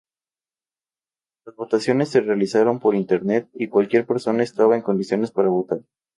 Las votaciones se realizaron por Internet, y cualquier persona estaba en condiciones para votar.